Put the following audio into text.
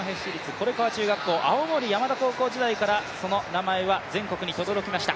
青森山田高校時代から、その名前は全国にとどろきました。